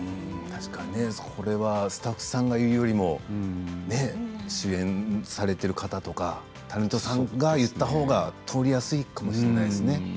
確かにこれはスタッフさんが言うよりも主演されている方とかタレントさんが言ったほうが通りやすいかもしれないですね。